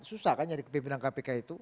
susah kan jadi pimpinan kpk itu